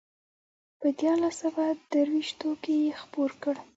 په دیارلس سوه درویشتو کې یې خپور کړ.